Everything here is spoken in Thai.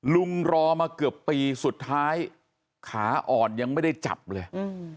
รอมาเกือบปีสุดท้ายขาอ่อนยังไม่ได้จับเลย